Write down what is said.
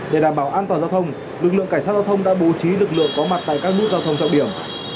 để đảm bảo an toàn giao thông lực lượng cảnh sát giao thông đã bố trí lực lượng có mặt tại các nút giao thông trọng điểm